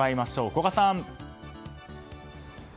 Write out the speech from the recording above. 古賀さん。